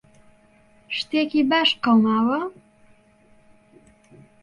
شتێکی باش قەوماوە؟